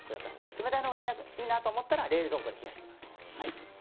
冷たいのがいいなと思ったら冷蔵庫で冷やします。